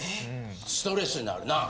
ストレスになるなぁ。